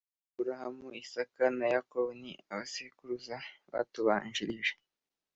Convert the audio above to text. Aburahamu Isaka na Yakobo ni abasekuruza batubanjirije